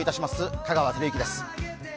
香川照之です。